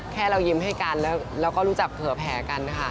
แค่เรายิ้มให้กันแล้วก็รู้จักเผลอแผลกันค่ะ